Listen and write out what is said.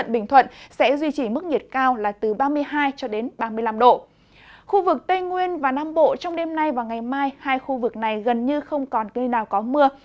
tây nguyên và nam bộ trong đêm nay và ngày mai hai khu vực này gần như không còn gây nào có mưa